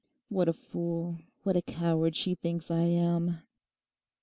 'What a fool, what a coward she thinks I am!